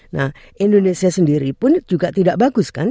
nah indonesia sendiri pun juga tidak bagus kan